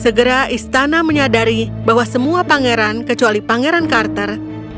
segera istana menyadari bahwa semua pangeran kecuali pangeran carter